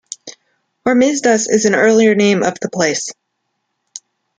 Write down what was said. Hormisdas is an earlier name of the place.